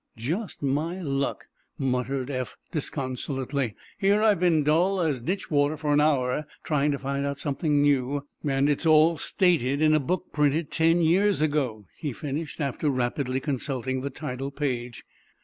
"Just my luck," muttered Eph, disconsolately. "Here I've been dull as ditch water for an hour, trying to find out something new, and it's all stated in a book printed—ten years ago," he finished, after rapidly consulting the title page.